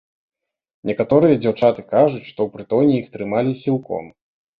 Некаторыя дзяўчаты кажуць, што ў прытоне іх трымалі сілком.